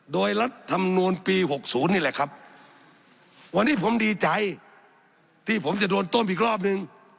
โดยรัฐธรรมนูลปีหกศูนย์นี่แหละครับวันนี้ผมดีใจที่ผมจะโดนต้มอีกรอบนึง